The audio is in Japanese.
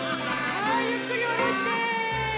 はいゆっくりおろして。